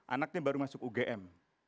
anaknya baru masuk ugm